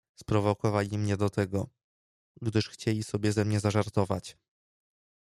"Sprowokowali mnie do tego, gdyż chcieli sobie ze mnie zażartować!"